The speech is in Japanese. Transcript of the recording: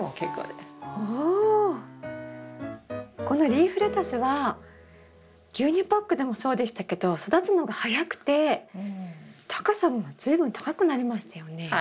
このリーフレタスは牛乳パックでもそうでしたけど育つのが早くて高さも随分高くなりましたよね。